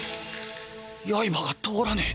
刃が通らねぇ。